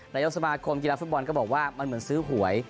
นายกสมาคมกีฬาฟุตบอลก็บอกว่ามันเหมือนซื้อหวย